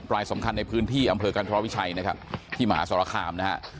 รายสำคัญในพื้นที่อำเภอกันธรวิชัยนะครับที่มหาสรคามนะฮะ